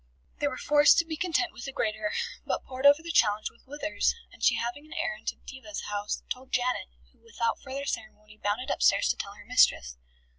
They were forced to be content with the grater, but pored over the challenge with Withers, and she having an errand to Diva's house, told Janet, who without further ceremony bounded upstairs to tell her mistress.